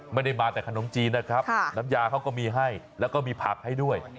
ไม่ได้มาแต่ขนมจีนนะครับน้ำยาเขาก็มีให้แล้วก็มีผักให้ด้วย